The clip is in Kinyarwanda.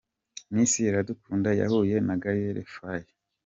Miss Iradukunda yahuye na Gael Faye.